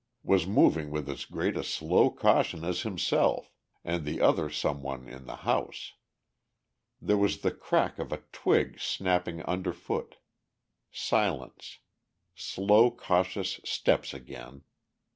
was moving with as great a slow caution as himself and the other some one in the house. There was the crack of a twig snapping underfoot ... silence ... slow cautious steps again.